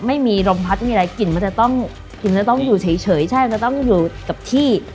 ไม่มีลมพัดมีอะไรกลิ่นมันจะต้องอยู่เฉยใช่มันจะต้องอยู่กับที่